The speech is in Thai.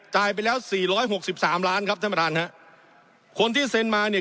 จ่ายไปแล้วสี่ร้อยหกสิบสามล้านครับท่านประธานฮะคนที่เซ็นมาเนี่ย